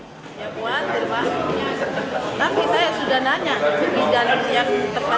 ya puan terima kasih tapi saya sudah nanya di dalam yang tepat di dunia katanya asli dijamin asli